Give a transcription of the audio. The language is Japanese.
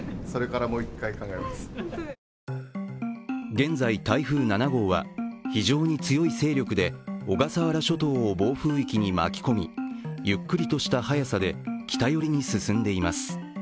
現在、台風７号は非常に強い勢力で小笠原諸島を暴風域に巻き込みゆっくりとした速さで北寄りに進んでいます。